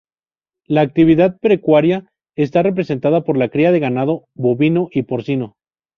La actividad pecuaria está representada por la cría de ganado bovino y porcino.